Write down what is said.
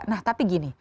nah tapi gini